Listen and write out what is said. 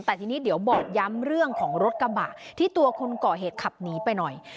แต่ทีนี้เดี๋ยวบอกย้ำเรื่องของรถกระบะที่ตัวคนก่อเหตุขับหนีไปหน่อย